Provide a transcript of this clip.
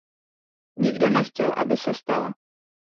Nikdo nechtěl, aby se stala.